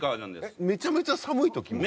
めちゃめちゃ寒い時も？